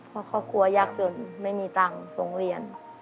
เพราะครอบครัวยากจนไม่มีตังค์ส่งเรียน